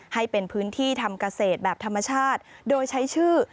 ให้เป็นพื้นที่ทำเกษตรแบบธรรมชาติโดยใช้ชื่อ